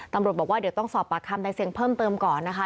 ตำรวจบอกว่าเดี๋ยวต้องสอบปากคำในเสียงเพิ่มเติมก่อนนะคะ